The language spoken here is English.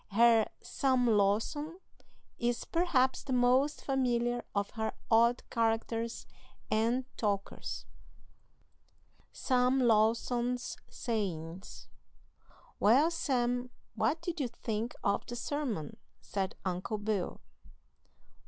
Her "Sam Lawson" is, perhaps, the most familiar of her odd characters and talkers. SAM LAWSON'S SAYINGS. "Well, Sam, what did you think of the sermon?" said Uncle Bill.